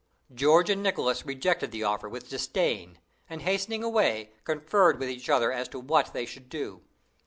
George and Nicholas rejected the offer with disdain, and, hastening away, conferred with each other as to what they should do.